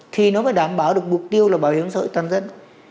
thì nó mới đảm bảo được mục tiêu là bảo hiểm xã hội toàn dân